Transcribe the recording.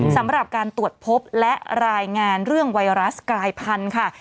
สำหรับการตรวจพบและรายงานเรื่องไวรัสกลายพันธุ์ค่ะ